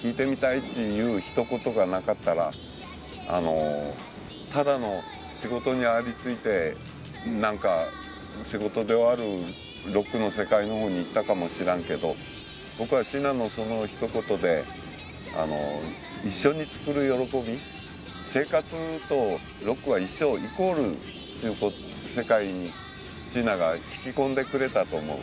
っちいう一言がなかったらあのただの仕事にありついて何か仕事で終わるロックの世界の方に行ったかもしらんけど僕はシーナのその一言であの一緒に作る喜び生活とロックは一緒イコールっちゅう世界にシーナが引き込んでくれたと思う